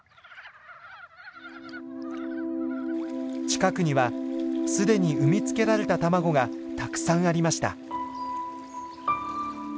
近くにはすでに産み付けられた卵がたくさんありました。